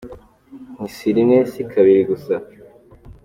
Nti si rimwe, si kabiri gusa.